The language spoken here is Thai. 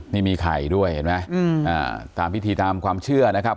นี่มีไข่ด้วยเห็นไหมตามพิธีตามความเชื่อนะครับ